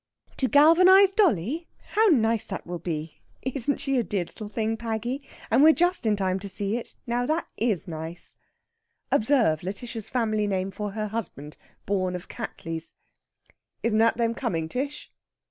"To galvanise dolly? How nice that will be! Isn't she a dear little thing, Paggy? And we're just in time to see it. Now, that is nice!" Observe Lætitia's family name for her husband, born of Cattley's. "Isn't that them coming, Tish?"